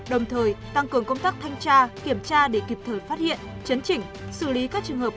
đồng thời tăng cường công tác thanh tra kiểm tra để kịp thời phát hiện chấn chỉnh xử lý các trường hợp